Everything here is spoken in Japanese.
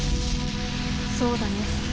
そうだね